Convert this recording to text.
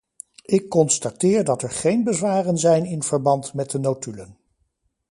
Ik constateer dat er geen bezwaren zijn in verband met de notulen.